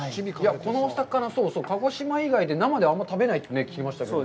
この魚、そうそう、鹿児島以外で生であんま食べないって聞きましたけど。